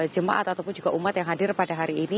jemaat ataupun juga umat yang hadir pada hari ini